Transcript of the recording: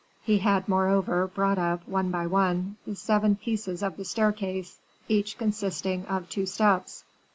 He had, moreover, brought up, one by one, the seven pieces of the staircase, each consisting of two steps.